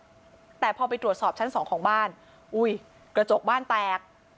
แต่พอไปตรวจสอบชั้นสองของบ้านอุ้ยกระจกบ้านแตก